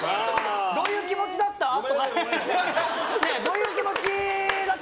どういう気持ちだった？とか。